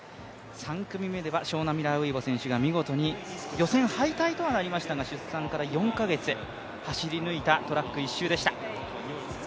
３組目ではショウナ・ミラーウイボ選手が見事に、予選敗退とはなりましたが出産から４か月、走り抜いたトラック１周でした。